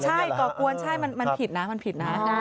ใช่ก่อกวนใช่มันผิดนะมันผิดนะ